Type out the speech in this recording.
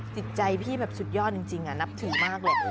จิตใจพี่แบบสุดยอดจริงนับถือมากเลย